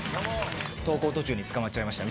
登校途中に捕まっちゃいまし